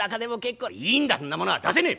「いいんだそんなものは出せねえ！